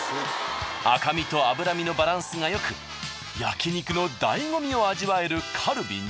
赤身と脂身のバランスがよく焼肉のだいご味を味わえるカルビに。